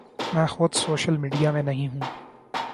میں خود social media میں نہیں ہوں۔